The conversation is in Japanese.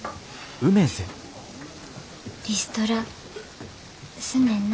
リストラすんねんな。